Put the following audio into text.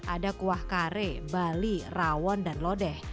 ada kuah kare bali rawon dan lodeh